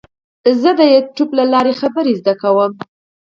زه د یوټیوب له لارې خبرې زده کوم.